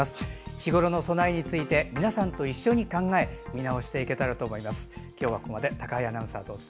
日ごろの備えについて皆さんと一緒に考え見直していけたらと思います。